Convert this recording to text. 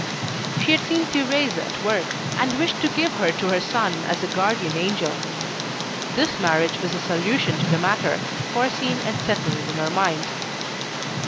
She had seen Thérèse at work, and wished to give her to her son as a guardian angel. This marriage was a solution to the matter, foreseen and settled in her mind.